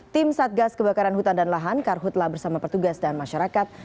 tim satgas kebakaran hutan dan lahan karhutlah bersama petugas dan masyarakat